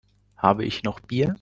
Habe ich noch Bier?